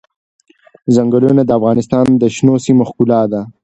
ځنګلونه د افغانستان د شنو سیمو ښکلا ده.